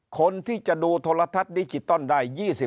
คนที่จะดูโทรทัศน์ดิจิตอลได้